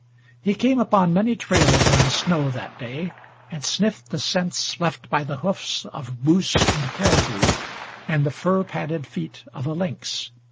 He came upon many trails in the snow that day, and sniffed the scents left by the hoofs of moose and caribou, and the fur padded feet of a lynx.